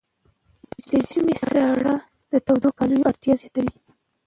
د ژمي ساړه د تودو کالیو اړتیا زیاتوي.